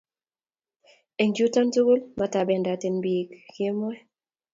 eng choto tugul, matabendat biin kemoi